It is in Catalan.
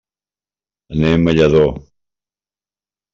Anem a Lladó.